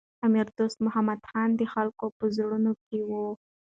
امیر دوست محمد خان د خلکو په زړونو کي و.